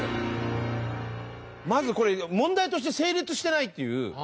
まずこれ問題として成立してないっていう。